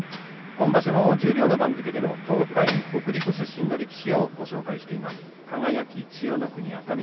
今場所の十両の力士で東海北陸出身力士をご紹介しています。